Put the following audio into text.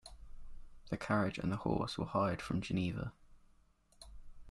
The carriage and the horse were hired from Geneva.